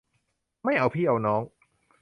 ไม่เอาพี่เอาน้อง